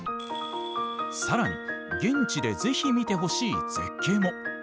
さらに現地で、ぜひ見てほしい絶景も。